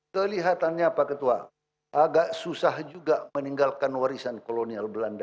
kelihatannya pak ketua agak susah juga meninggalkan warisan kolonial belanda